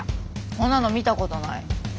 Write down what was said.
こんなの見たことない。